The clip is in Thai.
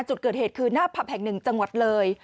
จุดเกิดเหตุคือหน้าผับแห่งหนึ่งจังหวัดเลย